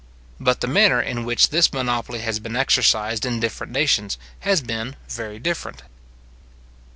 But the manner in which this monopoly has been exercised in different nations, has been very different.